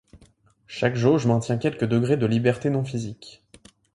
Chaque jauge maintiennent quelques degrés de liberté non-physiques.